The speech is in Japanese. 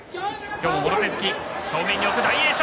きょうももろ手突き、正面に置く大栄翔。